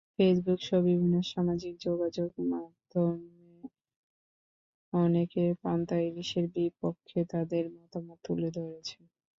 ফেসবুকসহ বিভিন্ন সামাজিক যোগাযোগমাধ্যমে অনেকে পান্তা-ইলিশের বিপক্ষে তাদের মতামত তুলে ধরছেন।